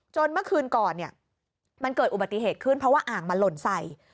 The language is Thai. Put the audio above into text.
เมื่อคืนก่อนเนี่ยมันเกิดอุบัติเหตุขึ้นเพราะว่าอ่างมันหล่นใส่